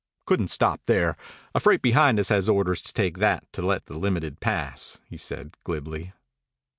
"Couldn't stop there. A freight behind us has orders to take that to let the Limited pass," he said glibly.